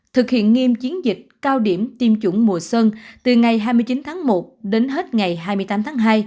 thực hiện nghiêm chiến dịch cao điểm tiêm chủng mùa xuân từ ngày hai mươi chín tháng một đến hết ngày hai mươi tám tháng hai